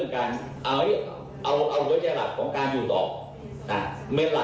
ถ้าเราเจออย่างนี้เราก็กลัวเราจ่ายทั้งหมด